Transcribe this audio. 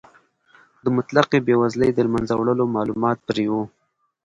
د مطلقې بې وزلۍ د له منځه وړلو مالومات پرې و.